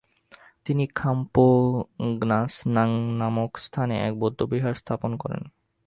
তিনি খাম-পো-গ্নাস-নাং নামক স্থানে এক বৌদ্ধবিহার স্থাপন করেন।